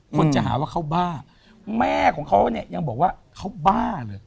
คนจะหาว่าเขาบ้าแม่ของเขาเนี่ยยังบอกว่าเขาบ้าเลย